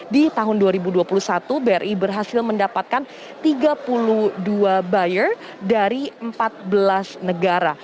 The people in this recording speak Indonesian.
di tahun dua ribu dua puluh satu bri berhasil mendapatkan tiga puluh dua buyer dari empat belas negara